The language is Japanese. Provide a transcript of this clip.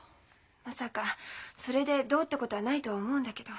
まさかそれでどうってことはないとは思うんだけど。